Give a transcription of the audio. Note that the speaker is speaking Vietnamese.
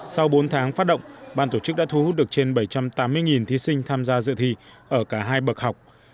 sau bốn tháng phát động ban tổ chức đã thu hút được trên bảy trăm tám mươi thí sinh tham gia dự thi ở cả hai bậc học